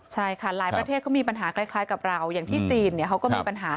ใช่ค่ะหลายประเทศเขามีปัญหาคล้ายกับเราอย่างที่จีนเขาก็มีปัญหา